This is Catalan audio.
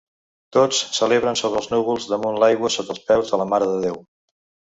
Tots s'eleven sobre núvols damunt l'aigua, sota els peus de la Mare de Déu.